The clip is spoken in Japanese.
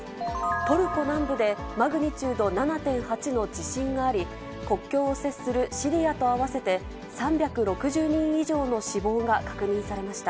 トルコ南部でマグニチュード７．８の地震があり、国境を接するシリアと合わせて、３６０人以上の死亡が確認されました。